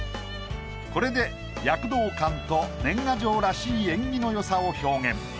これで躍動感と年賀状らしい縁起のよさを表現。